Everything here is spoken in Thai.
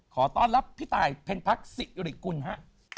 ขอต้อนรับพี่ตายเพลงพรรคสิริกุณฮะ